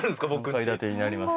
３階建てになります。